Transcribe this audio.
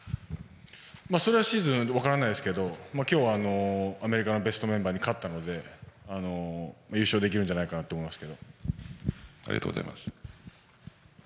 それはシーズンでは分からないですが今日アメリカのベストメンバーに勝ったので優勝できるんじゃないかなと思います。